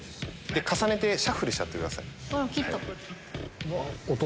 重ねてシャッフルしちゃってください。